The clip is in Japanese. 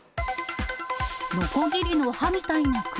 のこぎりの歯みたいな雲。